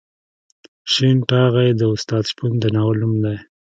شین ټاغی د استاد شپون د ناول نوم دی.